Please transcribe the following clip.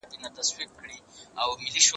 ما د سبا لپاره د لغتونو زده کړه کړې ده،